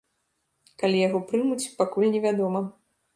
Калі яго прымуць, пакуль невядома.